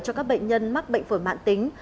cho các bệnh nhân mắc bệnh phổi mạng tính